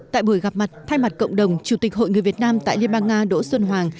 tại buổi gặp mặt thay mặt cộng đồng chủ tịch hội người việt nam tại liên bang nga đỗ xuân hoàng